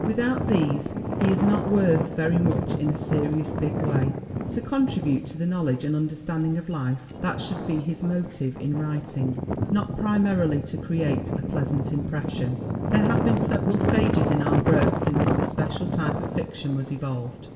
Without these he is not worth very much in a serious, big way. To contribute to the knowledge and under standing of life that should be his motive in writ ing, not primarily to create a pleasant impression. 28 THE WOMEN WHO MAKE OUR NOVELS "There have been several stages in our growth since the special type of fiction was evolved.